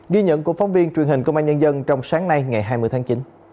ghi nhận của phóng viên truyền hình công an nhân dân trong sáng nay ngày hai mươi tháng chín